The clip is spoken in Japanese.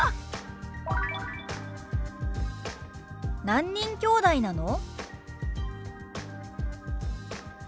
「何人きょうだいなの？」。